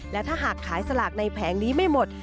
และถ้าหากขายสลากในแผงนี้ไม่หมด